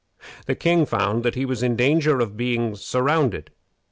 The king found that he was in danger of being surrounded.